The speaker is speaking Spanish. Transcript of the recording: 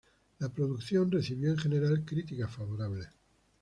La producción recibió en general críticas favorables.